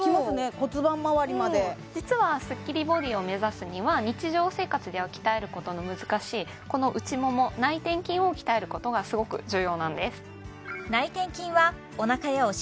骨盤まわりまで実はスッキリボディーを目指すには日常生活では鍛えることの難しいこの内もも内転筋を鍛えることがすごく重要なんです